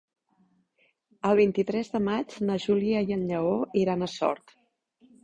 El vint-i-tres de maig na Júlia i en Lleó iran a Sort.